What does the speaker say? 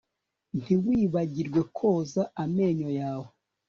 Ntiwibagirwe koza amenyo yawe